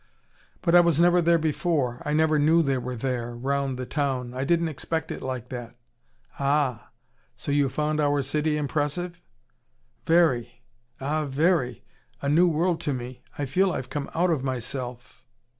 "But I was never there before. I never knew they were there, round the town. I didn't expect it like that." "Ah! So you found our city impressive?" "Very! Ah, very! A new world to me. I feel I've come out of myself."